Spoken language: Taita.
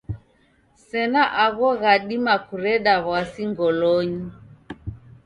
Sena agho ghadima kureda w'asi ngolonyi.